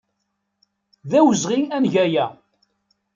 D awezɣi ad neg aya.